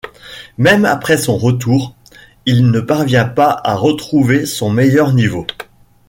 Même après son retour, il ne parvient pas à retrouver son meilleur niveau.